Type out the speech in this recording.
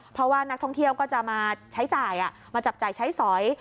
เพราะว่านักท่องเที่ยวก็จะมาใช้จ่ายมาจับจ่ายใช้สอย